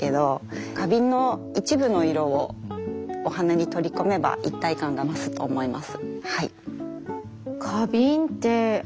花瓶の一部の色をお花に取り込めば一体感が増すと思います。